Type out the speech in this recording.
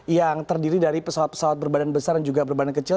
yang terdiri dari pesawat pesawat berbadan besar dan juga berbadan kecil